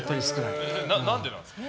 何でなんですか？